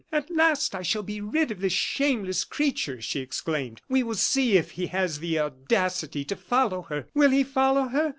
"At last I shall be rid of this shameless creature!" she exclaimed. "We will see if he has the audacity to follow her! Will he follow her?